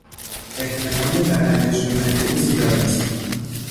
احتمال برنده شدن او زیاد است.